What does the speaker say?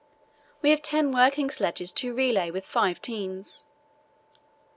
We have ten working sledges to relay with five teams.